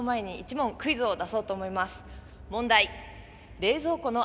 問題！